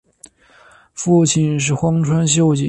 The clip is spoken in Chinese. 父亲是荒川秀景。